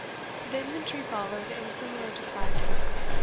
The infantry followed in similar disguises.